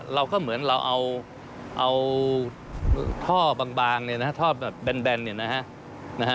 เราก็เหมือนเราเอาท่อบางท่อแบนอยู่นะฮะ